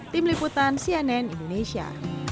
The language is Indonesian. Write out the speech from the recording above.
tim liputan cnn indonesia